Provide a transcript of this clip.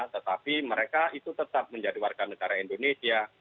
tetapi mereka itu tetap menjadi warga negara indonesia